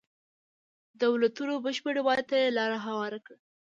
د دولتونو بشپړې ماتې ته یې لار هواره کړه.